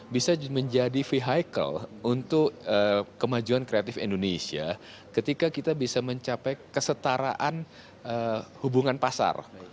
bisa menjadi vehicle untuk kemajuan kreatif indonesia ketika kita bisa mencapai kesetaraan hubungan pasar